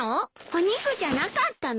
お肉じゃなかったの？